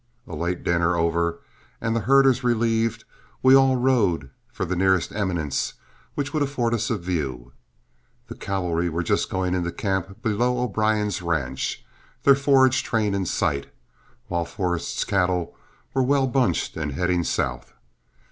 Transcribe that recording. A late dinner over and the herders relieved, we all rode for the nearest eminence which would afford us a view. The cavalry were just going into camp below O'Brien's ranch, their forage train in sight, while Forrest's cattle were well bunched and heading south.